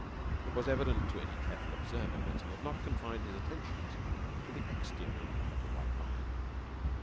It was evident to any careful observer that he had not confined his attentions to the exterior of the White Lion.